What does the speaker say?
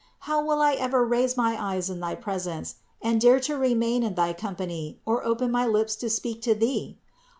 How will I ever raise my eyes in thy presence and dare to remain in thy com pany or open my lips to speak to Thee?